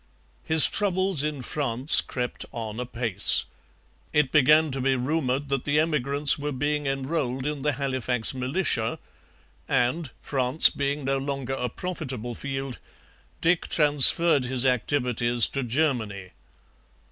His troubles in France crept on apace. It began to be rumoured that the emigrants were being enrolled in the Halifax militia; and, France being no longer a profitable field, Dick transferred his activities to Germany.